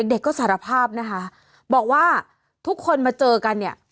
เด็กก็สารภาพนะคะบอกว่าทุกคนมาเจอกันเนี่ย